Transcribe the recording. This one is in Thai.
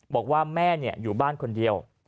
บอกว่าแม่อยู่บ้านคนเดียว